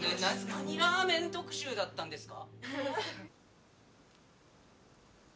何ラーメン特集だったんですか？